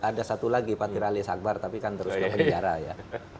ada satu lagi pak dirali sagbar tapi kan terus ke penjara ya